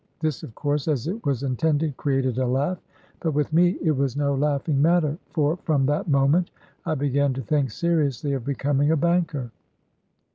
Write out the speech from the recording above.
J This, of course, as it was intended, created a laugh ; but with me it was no laughing matter, for from that moment, I began to think seriously of becoming a banker.